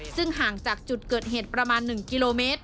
ซึ่งห่างจากจุดเกิดเหตุประมาณ๑กิโลเมตร